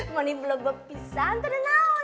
mani belum bep pisan ternyata